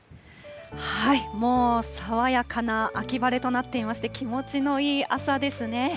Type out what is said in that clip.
もう爽やかな秋晴れとなっていまして、気持ちのいい朝ですね。